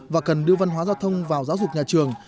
và cần đưa văn hóa giao thông vào giáo dục nhà trường